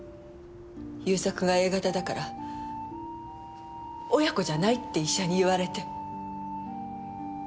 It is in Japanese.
勇作がＡ型だから「親子じゃない」って医者に言われて。